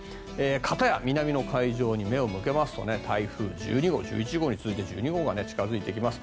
片や南の海上に目を向けますと台風１１号に続いて１２号が近付いてきます。